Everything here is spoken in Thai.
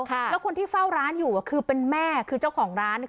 แล้วคนที่เฝ้าร้านอยู่อ่ะคือเป็นแม่คือเจ้าของร้าน